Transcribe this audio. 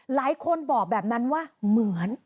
หลายคนบอกแบบนั้นว่าเหมือน